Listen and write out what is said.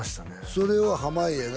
それを濱家が